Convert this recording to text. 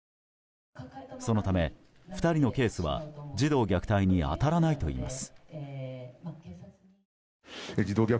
そのため２人のケースは児童虐待に当たらないといいます。